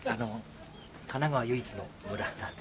神奈川唯一の村なんで。